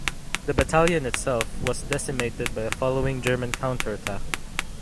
The battalion itself was decimated by a following German counterattack.